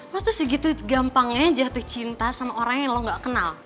lo tuh segitu gampangnya jatuh cinta sama orang yang lo gak kenal